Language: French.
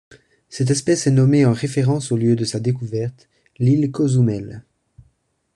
Cette espèce est nommée en référence au lieu de sa découverte, l'île Cozumel.